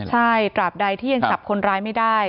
ใช่ตราบใดที่ยังจับคนร้ายไม่ได้